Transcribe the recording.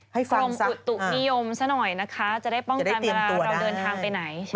ให้ฟังซะประหลาดได้นะคะจะได้ป้องกันเราเดินทางไปไหนใช่ใช่